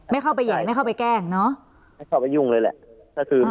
ไม่เข้าไปแห่ไม่เข้าไปแกล้งเนอะไม่เข้าไปยุ่งเลยแหละถ้าคือไม่ใช่หมาตัวอื่น